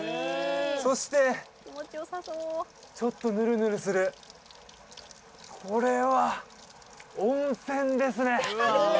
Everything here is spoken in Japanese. そしてちょっとヌルヌルするこれは温泉ですね！